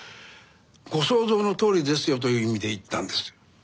ご想像のとおりですよという意味で言ったんです。